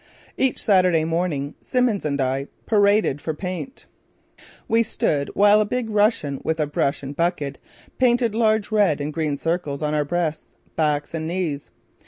Each Saturday morning, Simmons and I paraded for paint. We stood, while a big Russian, with a brush and bucket, painted large red and green circles on our breasts, backs and knees.